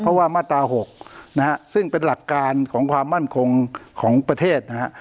เพราะว่ามาตรา๖นะฮะซึ่งเป็นหลักการของความมั่นคงของประเทศนะฮะ